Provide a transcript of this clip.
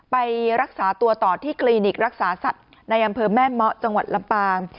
ไปรักษาตัวต่อที่คลินิกรักษาสัตว์ในอำเภอแม่เมาะจังหวัดลำปาง